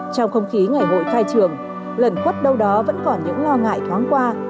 trong không khí ngày hội khai trường lẩn khuất đâu đó vẫn còn những lo ngại thoáng qua